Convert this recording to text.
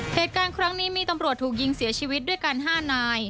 เหตุการณ์ครั้งนี้มีตำรวจถูกยิงเสียชีวิตด้วยกัน๕นาย